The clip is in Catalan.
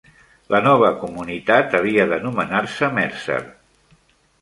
La nova comunitat havia d'anomenar-se Mercer.